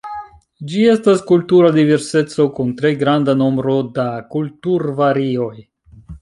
Ĝi estas kultura diverseco kun tre granda nombro da kulturvarioj.